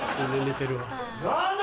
何だ！